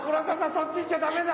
そっち行っちゃダメだ！